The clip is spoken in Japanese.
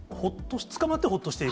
捕まってほっとしている？